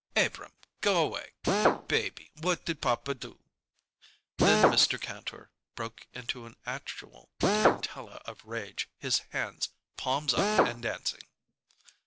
"Abrahm go 'way! Baby, what did papa do?" Then Mr. Kantor broke into an actual tarantella of rage, his hands palms up and dancing.